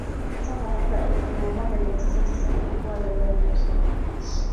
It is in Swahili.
Tangu miaka ya elfu moja mia tisa tisini na kuua raia wengi.